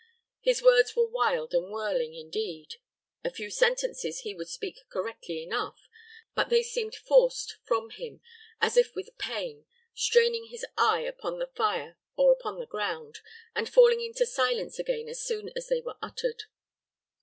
His words were wild and whirling, indeed; a few sentences he would speak correctly enough; but they seemed forced from him, as if with pain, straining his eye upon the fire or upon the ground, and falling into silence again as soon as they were uttered."